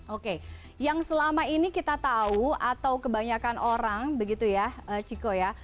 oke yang selama ini kita tahu atau kebanyakan orang begitu ya chiko ya